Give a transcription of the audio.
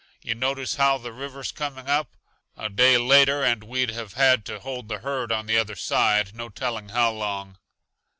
Yuh notice how the river's coming up? A day later and we'd have had to hold the herd on the other side, no telling how long."